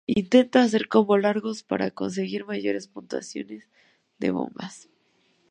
Intenta hacer combos largos para conseguir mayores puntuaciones de bombas.